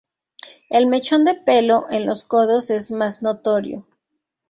El mechón de pelo en los codos es más notorio.